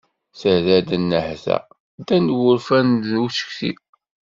Terra-d nnehta ddan-d wurfan d ucetki.